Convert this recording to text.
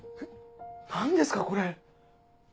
何ですかこれ。